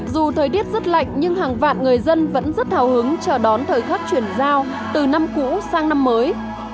dù thời tiết rất lạnh nhưng hàng vạn người dân vẫn rất hào hứng chờ đón thời khắc chuyển giao từ năm cũ sang năm mới